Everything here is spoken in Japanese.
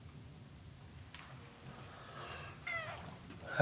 あ？